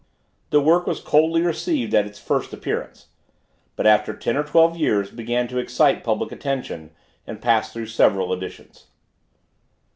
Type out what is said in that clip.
The work was coldly received at its first appearance, but, after ten or twelve years began to excite public attention, and passed through several editions.